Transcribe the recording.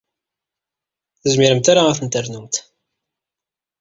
Ur tezmiremt ara ad ten-ternumt.